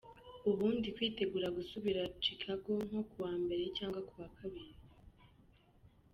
Ubu ndi kwitegura gusubira Chicago nko kuwa mbere cyangwa kuwa kabiri.